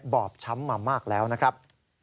บอบช้ำมามากแล้วนะครับ